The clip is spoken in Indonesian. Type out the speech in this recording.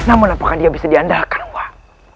namun apakah dia bisa diandalkan uang